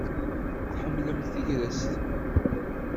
Tḥemmlemt tagrest?